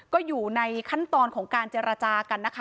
ก็อยู่ในขั้นตอนของการเจรจากันนะคะ